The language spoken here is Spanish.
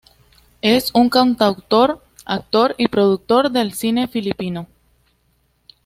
Es un cantautor, actor y productor de cine filipino.